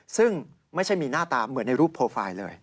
ซึ่งไม่ใช่มีหน้าตาเหมือนในรูปโปรไฟล์เลย